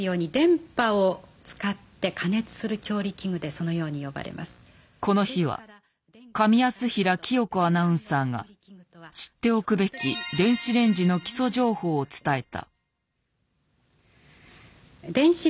その名が示すようにこの日は上安平洌子アナウンサーが知っておくべき電子レンジの基礎情報を伝えた。